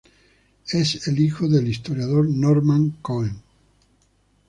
Es el hijo de el historiador Norman Cohn.